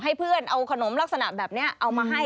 ให้เพื่อนเอาขนมลักษณะแบบนี้เอามาให้